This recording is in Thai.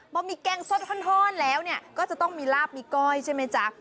พอมีแกงสดห้อนแล้วเนี่ยก็จะต้องมีลาบมีก้อยใช่ไหมจ๊ะ